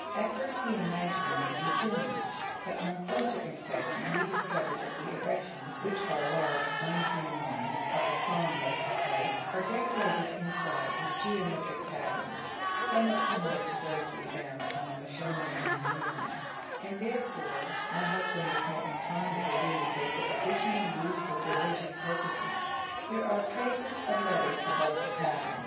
At first we imagined them to be tombs, but on closer inspection we discovered that the erections, which are large unhewn ones of the cromlech type, are decorated inside with geometric patterns somewhat similar to those we found in the Mashonaland ruins, and therefore my husband was more inclined to believe they were originally used for religious purposes. There are traces of letters above the pattern.